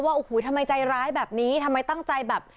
โอ้โหทำไมใจร้ายแบบนี้ทำไมตั้งใจแบบ